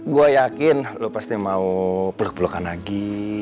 gue yakin lo pasti mau peluk pelukan lagi